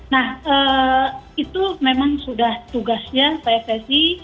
nah itu memang sudah tugasnya pssi